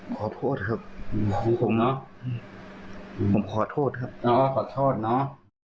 ขอโทษครับผมขอโทษครับขอโทษเนอะ